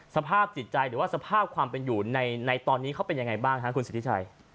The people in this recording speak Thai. สภาพจิตใจหรือว่าสภาพความเป็นอยู่ในตอนนี้เขาเป็นยังไงบ้างครับคุณสิทธิชัย